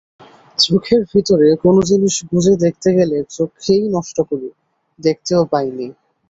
চোখের ভিতরে কোনো জিনিস গুঁজে দেখতে গেলে চোখকেই নষ্ট করি, দেখতেও পাই নে।